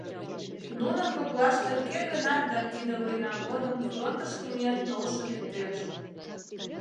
Нунын коклаште кӧ-гынат да тиде война годым фронтышко миен толшо лектеш.